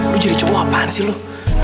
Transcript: lu jadi coklat apaan sih